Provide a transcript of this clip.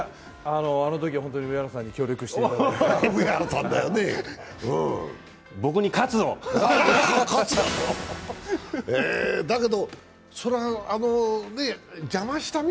あのとき本当に上原さんに協力していただいて。